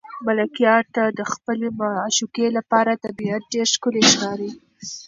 ملکیار ته د خپلې معشوقې لپاره طبیعت ډېر ښکلی ښکاري.